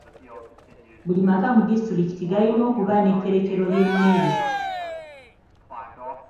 Buli maka mu disitulikiti galina okuba n'etterekero ly'emmere.